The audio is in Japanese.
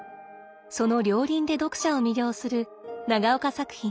その両輪で読者を魅了する長岡作品。